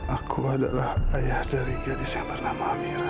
aku adalah ayah dari gadis yang bernama amira